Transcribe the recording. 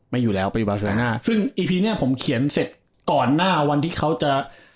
ไม่อยู่แล้วปีวาซาห้าซึ่งอีพีเนี้ยผมเขียนเสร็จก่อนหน้าวันที่เขาจะ